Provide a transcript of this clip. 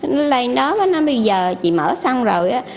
nó lây nó và nó bây giờ chị mở xong rồi á